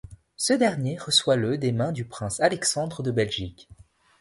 Ce dernier reçoit le des mains du prince Alexandre de Belgique.